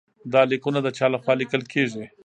دا لیکونه د چا لخوا لیکل کیږي؟